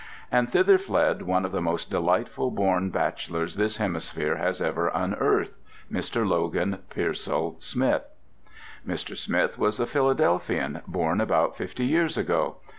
And thither fled one of the most delightful born bachelors this hemisphere has ever unearthed, Mr. Logan Pearsall Smith. Mr. Smith was a Philadelphian, born about fifty years ago.